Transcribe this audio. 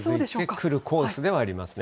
来るコースではありますね。